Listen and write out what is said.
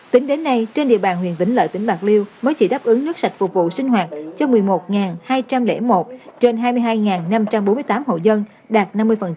tính đến nay trên địa bàn huyện vĩnh lợi tỉnh bạc liêu mới chỉ đáp ứng nước sạch phục vụ sinh hoạt cho một mươi một hai trăm linh một trên hai mươi hai năm trăm bốn mươi tám hộ dân đạt năm mươi